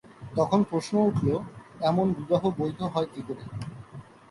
তখন প্রশ্ন উঠল, এমন বিবাহ বৈধ হয় কী করে।